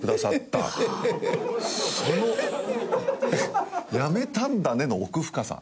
その「辞めたんだね」の奥深さ。